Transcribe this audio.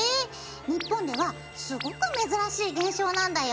日本ではすごく珍しい現象なんだよ！